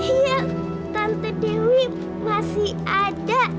iya tante dewi masih ada